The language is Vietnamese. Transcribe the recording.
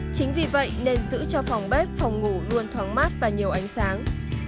chính vì vậy nên giữ cho phòng bếp phòng ngủ luôn thoáng mát và nhiều ánh sáng